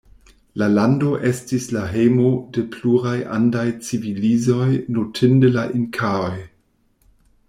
La lando estis la hejmo de pluraj andaj civilizoj, notinde la inkaoj.